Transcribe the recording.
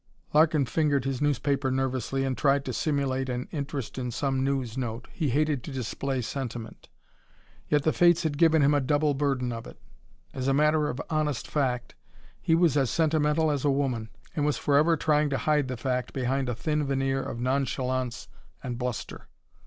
Larkin fingered his newspaper nervously and tried to simulate an interest in some news note. He hated to display sentiment, yet the fates had given him a double burden of it. As a matter of honest fact, he was as sentimental as a woman, and was forever trying to hide the fact behind a thin veneer of nonchalance and bluster.